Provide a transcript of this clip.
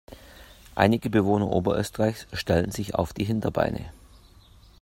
Einige Bewohner Oberösterreichs stellen sich auf die Hinterbeine.